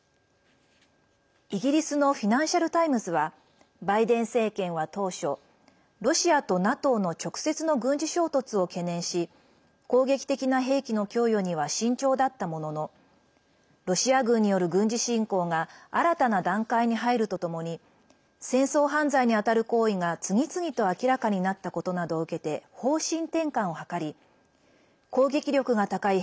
イギリスのフィナンシャル・タイムズはバイデン政権は当初ロシアとＮＡＴＯの直接の軍事衝突を懸念し攻撃的な兵器の供与には慎重だったもののロシア軍による軍事侵攻が新たな段階に入るとともに戦争犯罪に当たる行為が次々と明らかになったことなどを受けて方針転換を図り攻撃力が高い